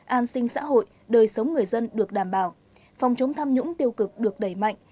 an sinh xã hội đời sống người dân được đảm bảo phòng chống tham nhũng tiêu cực được đẩy mạnh